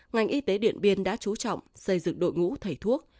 ngành y tế điện biên đã trú trọng xây dựng đội ngũ thầy thuốc